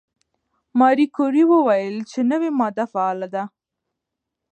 ماري کوري وویل چې نوې ماده فعاله ده.